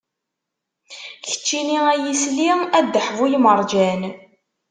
Keččini ay isli, a ddeḥ bu lmerǧan.